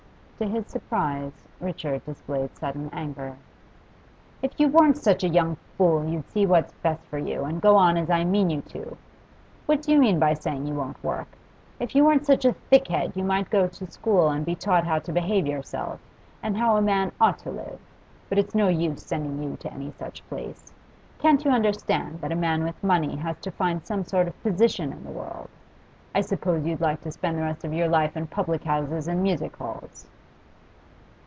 To his surprise, Richard displayed sudden anger. 'If you weren't such a young fool you'd see what's best for you, and go on as I meant you to! What do you mean by saying you won't work? If you weren't such a thickhead you might go to school and be taught how to behave yourself, and how a man ought to live; but it's no use sending you to any such place. Can't you understand that a man with money has to find some sort of position in the world? I suppose you'd like to spend the rest of your life in public houses and music halls?